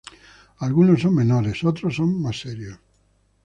Algunos son menores, otros son más serios.